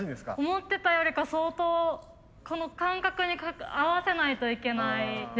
思ってたよりか相当この間隔に合わせないといけないですね。